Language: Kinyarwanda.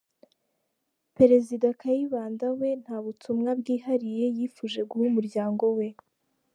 Perezida Kayibanda we, nta butumwa bwihariye yifuje guha umuryango we.